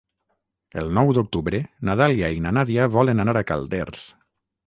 El nou d'octubre na Dàlia i na Nàdia volen anar a Calders.